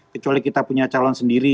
kecuali kita punya calon sendiri